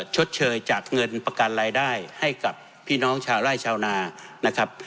ชดเชยจากเงินประกันรายได้ให้กับพี่น้องชาวไร่ชาวนานะครับ